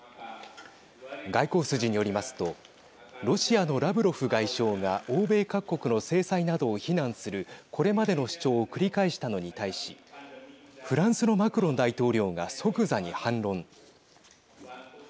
外交筋によりますとロシアのラブロフ外相が欧米各国の制裁などを非難するこれまでの主張を繰り返したのに対しフランスのマクロン大統領が即座に反論。